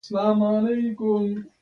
سپي ځینې وخت ناراحته وي.